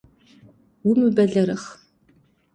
Умыбэлэрыгъ!